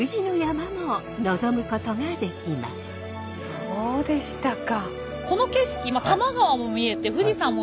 そうでしたか。